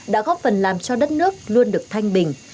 đã góp phần làm cho đất nước luôn được thanh bình